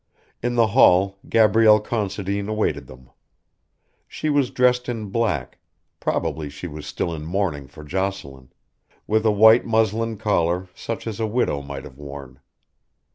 In the hall Gabrielle Considine awaited them. She was dressed in black probably she was still in mourning for Jocelyn with a white muslin collar such as a widow might have worn.